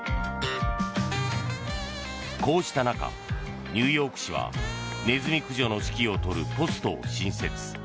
こうした中、ニューヨーク市はネズミ駆除の指揮を執るポストを新設。